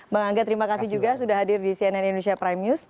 bang angga terima kasih juga sudah hadir di cnn indonesia prime news